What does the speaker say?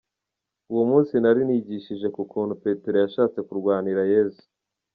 Uwo munsi nari nigishije ku kuntu Petero yashatse kurwanira Yezu.